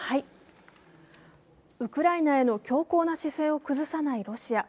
ウクライナへの強硬な姿勢を崩さないロシア。